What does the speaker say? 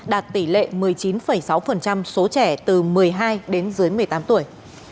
đạt tỷ lệ một mươi chín sáu số trẻ từ một mươi hai một mươi tám tuổi